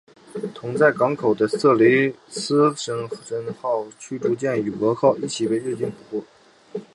同在港口中的色雷斯人号驱逐舰与蛾号一起被日军俘获。